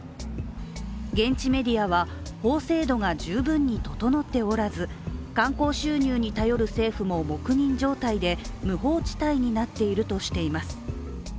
現地メディアは、法制度が十分に整っておらず観光収入に頼る政府も黙認状態で、無法地帯になっているとしています。